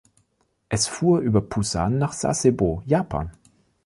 Es fuhr über Pusan nach Sasebo, Japan.